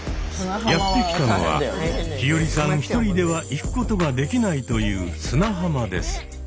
やって来たのは陽葵さん一人では行くことができないという砂浜です。